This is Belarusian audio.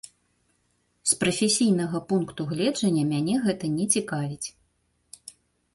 З прафесійнага пункту гледжання мяне гэта не цікавіць.